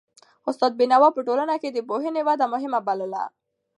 استاد بینوا په ټولنه کي د پوهنې وده مهمه بلله.